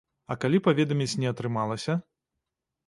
А калі паведаміць не атрымалася?